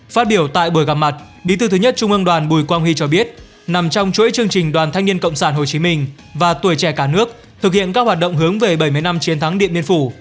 phát biểu tại buổi gặp mặt bí thư thứ nhất trung ương đoàn bùi quang huy cho biết nằm trong chuỗi chương trình đoàn thanh niên cộng sản hồ chí minh và tuổi trẻ cả nước thực hiện các hoạt động hướng về bảy mươi năm chiến thắng điện biên phủ